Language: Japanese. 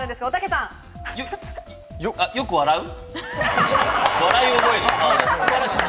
よく笑う。